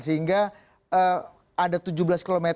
sehingga ada tujuh belas km